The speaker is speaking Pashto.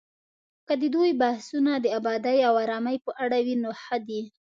که د دوی بحثونه د ابادۍ او ارامۍ په اړه وي، نو ښه دي